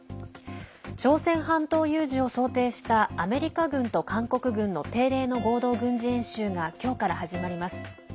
朝鮮半島有事を想定したアメリカ軍と韓国軍の定例の合同軍事演習がきょうから始まります。